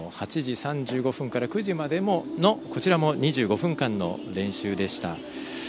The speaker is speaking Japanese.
８時３５分から９時までの２５分間の練習でした。